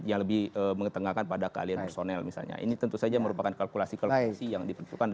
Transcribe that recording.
yang lebih mengetengahkan pada keahlian personel misalnya ini tentu saja merupakan kalkulasi kalkulasi yang diperlukan